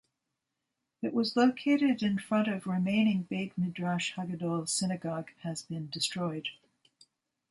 It was located in front of remaining Beit Midrash Hagadol synagogue has been destroyed.